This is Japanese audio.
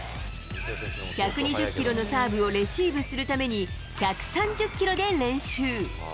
１２０キロのサーブをレシーブするために、１３０キロで練習。